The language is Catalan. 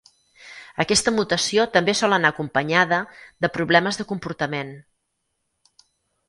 Aquesta mutació també sol anar acompanyada de problemes de comportament.